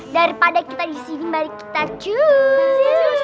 daripada kita di sini mari kita cus